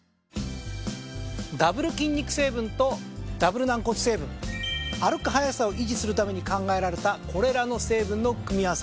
ダブル筋肉成分とダブル軟骨成分歩く速さを維持するために考えられたこれらの成分の組み合わせ